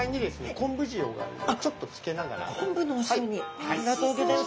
昆布のお塩にありがとうギョざいます。